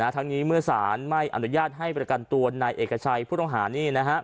ทั้งนี้เมื่อสารไม่อนุญาตให้ประกันตัวนายเอกชัยผู้ต้องหานี่